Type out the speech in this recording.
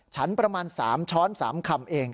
ฉันประมาณ๓ช้อน๓คำเอง